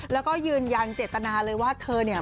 แล้วก็ยืนยันเจตนาเลยว่าเธอเนี่ย